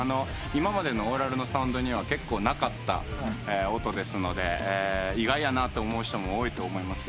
今までのオーラルのサウンドには結構なかった音ですので意外やなと思う人も多いと思いますけどね。